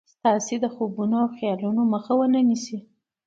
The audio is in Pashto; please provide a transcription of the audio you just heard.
ستاسې د خوبونو او خيالونو مخه و نه نيسي.